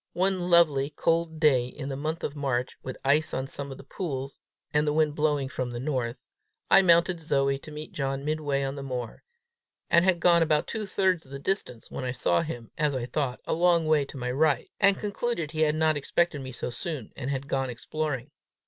One lovely, cold day, in the month of March, with ice on some of the pools, and the wind blowing from the north, I mounted Zoe to meet John midway on the moor, and had gone about two thirds of the distance, when I saw him, as I thought, a long way to my right, and concluded he had not expected me so soon, and had gone exploring.